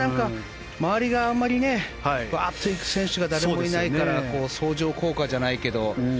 周りがあんまりワーッと行く選手が誰もいないから相乗効果じゃないけど。